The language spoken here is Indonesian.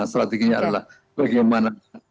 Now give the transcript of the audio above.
strateginya adalah bagaimana